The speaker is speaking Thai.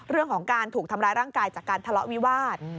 เรื่องของการถูกทำร้ายร่างกายจากการทะเลาะวิวาส